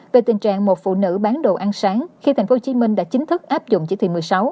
về tình trạng một phụ nữ bán đồ ăn sáng khi tp hcm đã chính thức áp dụng chỉ thị một mươi sáu